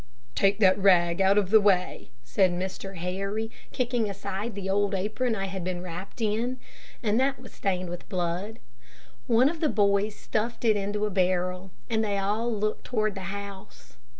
"Take that rag out of the way," said Mr. Harry, kicking aside the old apron I had been wrapped in, and that was stained with my blood. One of the boys stuffed it into a barrel, and then they all looked toward the house.